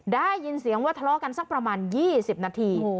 ได้ยินเสียงว่าทะเลาะกันสักประมาณ๒๐นาที